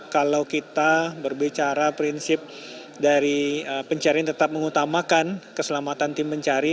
kalau kita berbicara prinsip dari pencarian tetap mengutamakan keselamatan tim mencari